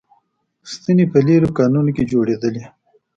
ستنې په لېرې کانونو کې جوړېدلې